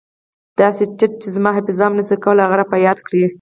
داسې تت چې زما حافظه هم نه شي کولای هغه را په یاد کړي.